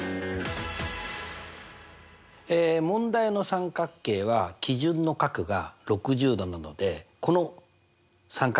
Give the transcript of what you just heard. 問題の三角形は基準の角が６０°なのでこの三角定規と相似ですね。